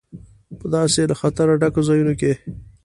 په داسې له خطره ډکو ځایونو کې.